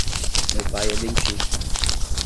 Meu pai é dentista.